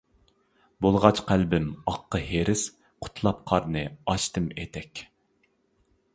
بولغاچ قەلبىم ئاققا ھېرىس، قۇتلاپ قارنى ئاچتىم ئېتەك.